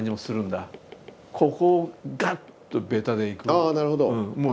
ああなるほど。